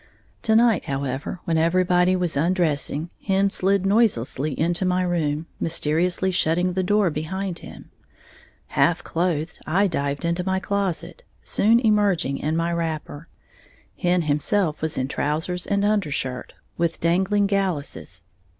To night, however, when everybody was undressing, Hen slid noiselessly into my room, mysteriously shutting the door behind him. Half clothed, I dived into my closet, soon emerging in my wrapper. Hen himself was in trousers and undershirt, with dangling gallusses.